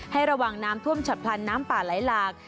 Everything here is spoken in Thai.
ให้ระวังน้ำท่วมฉับพลันน้ำป่าไหลหลาก